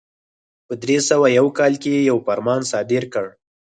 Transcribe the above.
په درې سوه یو کال کې یو فرمان صادر کړ.